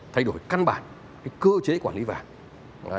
thay đổi căn bản cơ chế quản lý vàng